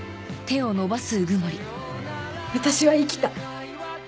私は生きた。